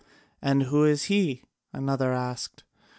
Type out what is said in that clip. "And who is he?" another asked.